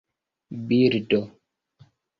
bildo